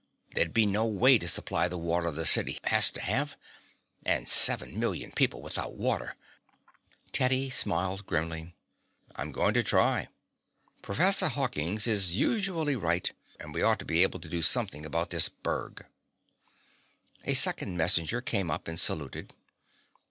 There'd be no way to supply the water the city has to have. And seven million people without water " Teddy smiled grimly. "I'm going to try. Professor Hawkins is usually right, and we ought to be able to do something about this berg." A second messenger came up and saluted.